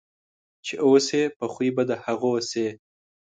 چې اوسې په خوی په د هغو سې.